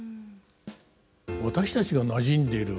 私たちがなじんでいる